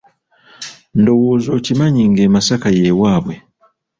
Ndowooza okimanyi ng'e Masaka y'ewabwe?